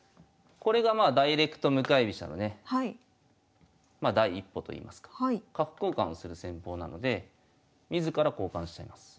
これがまあダイレクト向かい飛車のねまあ第一歩といいますか角交換をする戦法なので自ら交換しちゃいます。